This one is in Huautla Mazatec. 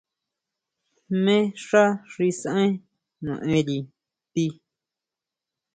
¿Jmé xá xi saʼen naʼénri ti?